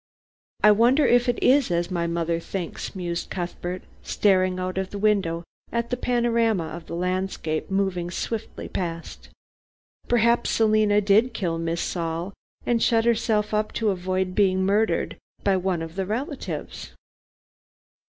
"I wonder if it is as my mother thinks," mused Cuthbert, staring out of the window at the panorama of the landscape moving swiftly past. "Perhaps Selina did kill Miss Saul, and shut herself up to avoid being murdered by one of the relatives.